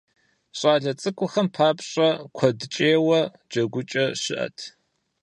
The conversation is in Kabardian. ЩӀалэ цӀыкӀухэм папщӏэ куэдыкӏейуэ джэгукӀэ щыӏэт.